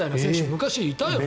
昔いたよね。